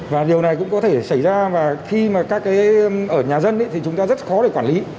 và điều này cũng có thể xảy ra và khi mà các cái ở nhà dân thì chúng ta rất khó để quản lý